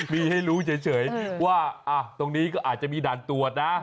มีให้รู้เฉยว่าตรงนี้ก็อาจจะมีด่านตรวจนะ